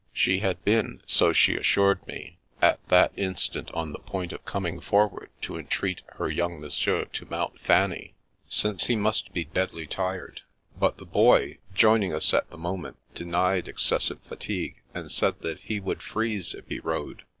She had been, so she assured me, at that The Revenge of the Mountain 289 instant on the point of coming forward to entreat her young monsieur to mount Fanny, since he must be deadly tired; but the Boy, joining us at the moment, denied excessive fatigue and said that he would freeze if he rode.